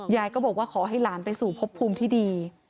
ยายก็บอกว่าขอให้หลานไปสู่พบภูมิที่ดี